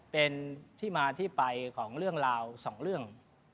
เป็นที่มาที่ไปของเรื่องราวสองเรื่อง